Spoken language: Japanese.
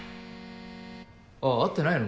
あっ会ってないの？